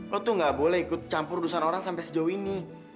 lo tuh gak boleh ikut campur urusan orang sampai sejauh ini